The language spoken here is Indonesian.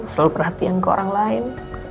selalu perhatian ke orang lain